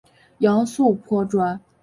杨素颇专。